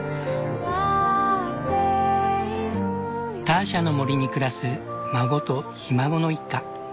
ターシャの森に暮らす孫とひ孫の一家。